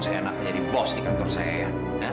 seenak menjadi bos di kantor saya ya